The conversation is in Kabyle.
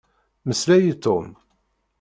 Mmeslay i Tom.